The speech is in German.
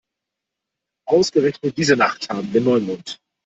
Ausgerechnet diese Nacht haben wir Neumond.